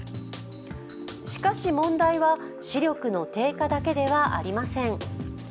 しかし、問題は視力の低下だけではありません。